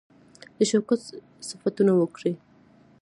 د شوکت صفتونه وکړي.